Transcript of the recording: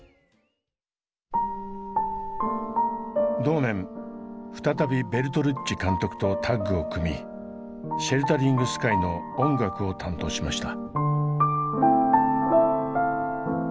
同年再びベルトルッチ監督とタッグを組み「シェルタリング・スカイ」の音楽を担当しました。